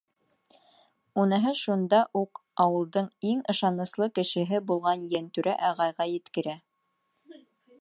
Уныһы шунда уҡ ауылдың иң ышаныслы кешеһе булған Йәнтүрә ағайға еткерә.